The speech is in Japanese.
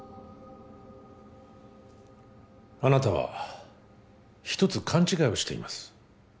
あなたは一つ勘違いをしています